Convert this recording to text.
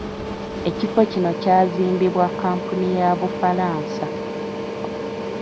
Ekifo kino kyazimbibwa kkampuni ya Bufalansa.